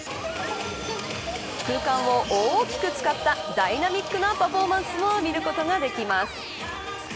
空間を大きく使ったダイナミックなパフォーマンスを見ることができます。